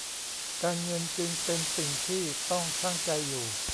การเงินจึงเป็นสิ่งที่ต้องชั่งใจอยู่